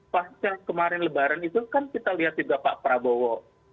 pasca kemarin lebaran itu kan kita lihat juga pak prabowo